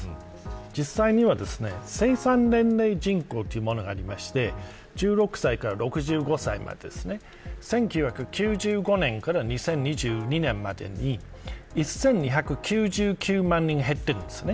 実際には生産年齢人口というものがあって１６歳から６５歳まで１９９５年から２０２２年までに１２９９万人減っています。